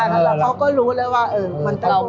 แล้วเขาก็รู้เลยว่า